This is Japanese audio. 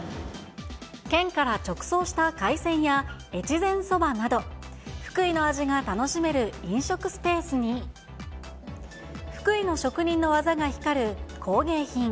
県から直送した海鮮や越前そばなど福井の味が楽しめる飲食スペースに、福井の職人の技が光る工芸品。